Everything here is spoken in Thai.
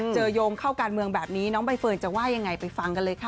โยงเข้าการเมืองแบบนี้น้องใบเฟิร์นจะว่ายังไงไปฟังกันเลยค่ะ